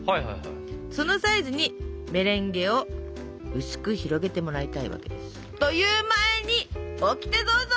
そのサイズにメレンゲを薄く広げてもらいたいわけです。という前にオキテどうぞ！